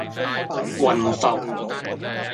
雲浮